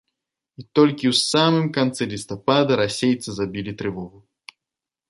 І толькі ў самым канцы лістапада расейцы забілі трывогу.